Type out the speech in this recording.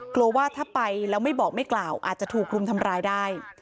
กลัวว่าถ้าไปแล้วไม่บอกไม่กล่าวอาจจะถูกรุมทำร้ายได้